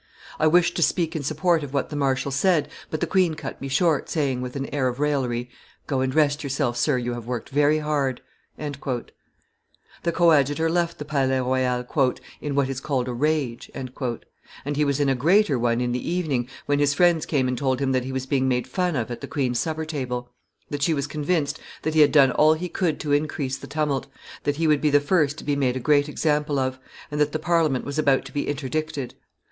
I wished to speak in support of what the marshal said, but the queen cut me short, saying, with an air of raillery, 'Go and rest yourself, sir; you have worked very hard.'" The coadjutor left the Palais Royal "in what is called a rage;" and he was in a greater one in the evening, when his friends came and told him that he was being made fun of at the queen's supper table; that she was convinced that he had done all he could to increase the tumult; that he would be the first to be made a great example of; and that the Parliament was about to be interdicted.